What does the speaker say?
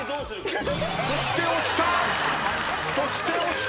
そして押した！